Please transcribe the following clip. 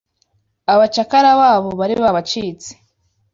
Abacakara babo bari babacitse